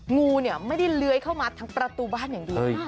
งูเนี่ยไม่ได้เลื้อยเข้ามาทั้งประตูบ้านอย่างเดียว